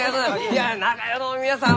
いや長屋の皆さん